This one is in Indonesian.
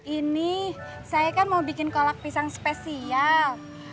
ini saya kan mau bikin kolak pisang spesial